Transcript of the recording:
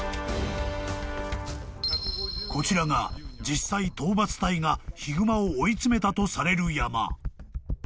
［こちらが実際討伐隊がヒグマを追い詰めたとされる山］